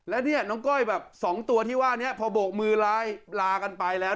แล้วเนี่ยน้องก้อยแบบสองตัวที่ว่านี้พอโบกมือลากันไปแล้ว